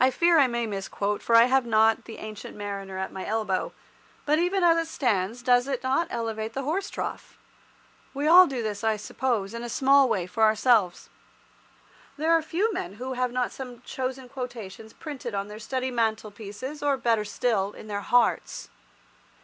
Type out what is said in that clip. I fear I may misquote, for I have not "The Ancient Mariner" at my elbow, but even as it stands does it not elevate the horse trough? We all do this, I suppose, in a small way for ourselves. There are few men who have not some chosen quotations printed on their study mantelpieces, or, better still, in their hearts.